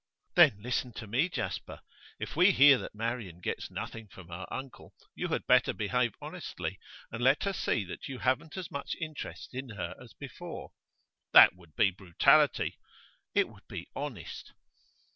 'Then listen to me, Jasper. If we hear that Marian gets nothing from her uncle, you had better behave honestly, and let her see that you haven't as much interest in her as before.' 'That would be brutality.' 'It would be honest.